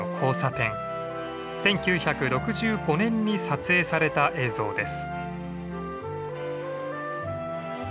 １９６５年に撮影された映像です。